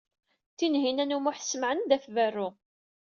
Tinhinan u Muḥ tessemɛen-d ɣef berru.